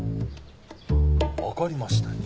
分かりましたよ。